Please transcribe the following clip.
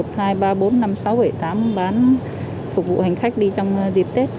có thể bán được bốn đôi tàu se một hai ba bốn năm sáu bảy tám bán phục vụ hành khách đi trong dịp tết